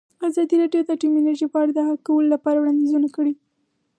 ازادي راډیو د اټومي انرژي په اړه د حل کولو لپاره وړاندیزونه کړي.